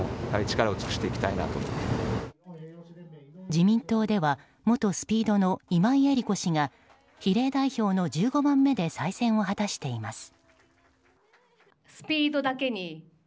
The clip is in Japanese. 自民党では元ＳＰＥＥＤの今井絵理子氏が比例代表の１５番目で再選を果たしています。